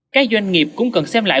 các doanh nghiệp cũng cần xem lại